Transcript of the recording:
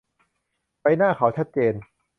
ใบหน้าเขาชัดเจน